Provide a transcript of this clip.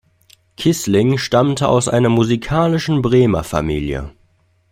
Kissling stammte aus einer musikalischen Bremer Familie.